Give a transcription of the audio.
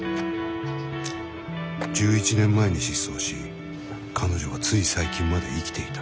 １１年前に失踪し彼女はつい最近まで生きていた。